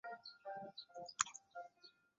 她还留下了现在的住址。